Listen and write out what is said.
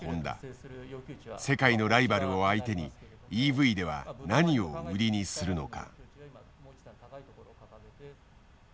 世界のライバルを相手にＥＶでは何を売りにするのか。